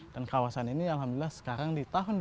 dan kawasan ini alhamdulillah sekarang di tahun dua ribu dua puluh